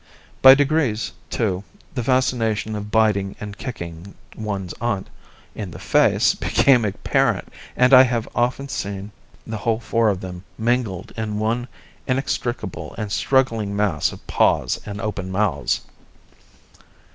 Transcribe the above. By degrees, too, the fascination of biting and kicking one's aunt in the face became apparent, and I have often seen the whole four of them mingled in one inextricable and struggling mass of paws and open mouths.